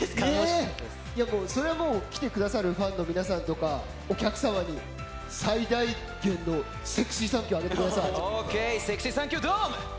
それは来てくださるファンの皆さんとかお客様に最大限のセクシーサンキューをあげてください。